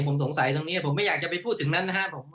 ผมสงสัยตรงนี้ผมไม่อยากจะไปพูดถึงนั้นนะครับ